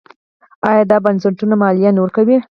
آیا دا بنسټونه مالیه نه ورکوي؟